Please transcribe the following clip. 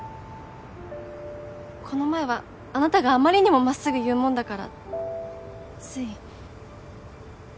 この前はあなたがあまりにも真っすぐ言うもんだからつい。